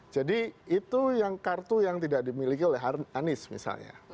jadi itu yang kartu yang tidak dimiliki oleh anies misalnya